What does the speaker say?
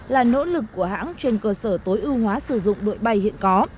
là nỗ lực của hãng trên cơ sở tối ưu hóa sử dụng đội bay hiện có